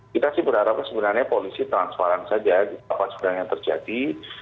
kita sih berharap sebenarnya polisi transparan saja apa sebenarnya yang terjadi